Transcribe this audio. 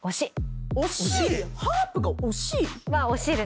惜しい⁉ハープが惜しい？